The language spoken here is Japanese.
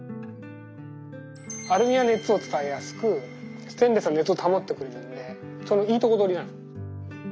アルミは熱を伝えやすくステンレスは熱を保ってくれるんでそのいいとこどりなの。